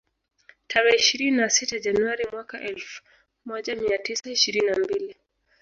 Tarehe ishirini na sita Januari mwaka elfu moja mia tisa ishirini na mbili